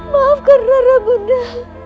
maafkan rara bunda